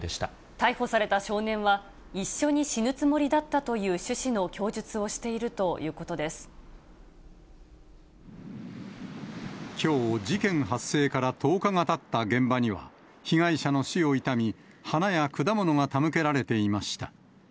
逮捕された少年は、一緒に死ぬつもりだったという趣旨の供述をしているということできょう、事件発生から１０日がたった現場には、被害者の死を悼み、花や果物が手向けられていました。